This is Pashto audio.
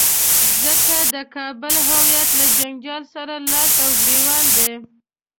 ځکه د کابل هویت له جنجال سره لاس او ګرېوان دی.